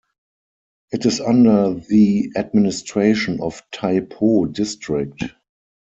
It is under the administration of Tai Po District.